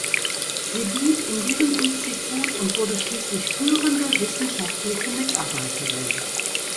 Sie blieb in diesem Institut und wurde schließlich führende wissenschaftliche Mitarbeiterin.